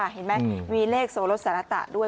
ค่ะเห็นไหมวีเลขโซโลสาณตะด้วย